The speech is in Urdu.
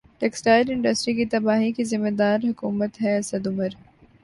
ٹیکسٹائل انڈسٹری کی تباہی کی ذمہ دار حکومت ہے اسد عمر